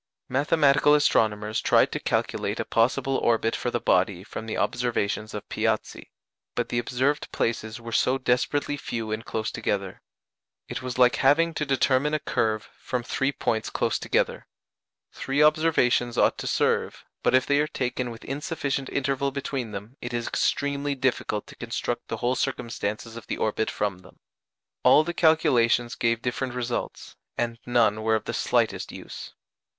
Mathematical astronomers tried to calculate a possible orbit for the body from the observations of Piazzi, but the observed places were so desperately few and close together. It was like having to determine a curve from three points close together. Three observations ought to serve, but if they are taken with insufficient interval between them it is extremely difficult to construct the whole circumstances of the orbit from them. All the calculations gave different results, and none were of the slightest use.